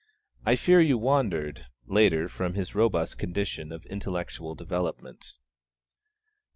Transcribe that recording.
I fear you wandered, later, from his robust condition of intellectual development.